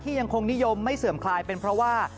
ยังคงนิยมไม่เสื่อมคลายเป็นเพราะว่า